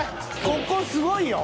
ここすごいよ。